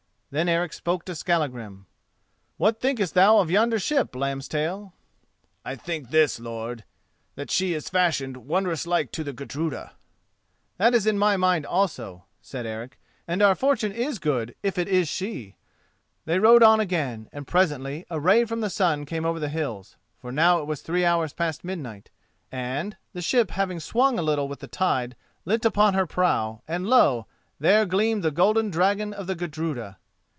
Then Eric spoke to Skallagrim. "What thinkest thou of yonder ship, Lambstail?" "I think this, lord: that she is fashioned wondrous like to the Gudruda." "That is in my mind also," said Eric, "and our fortune is good if it is she." They rowed on again, and presently a ray from the sun came over the hills—for now it was three hours past midnight—and, the ship having swung a little with the tide, lit upon her prow, and lo! there gleamed the golden dragon of the Gudruda.